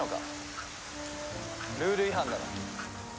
ルール違反だろ。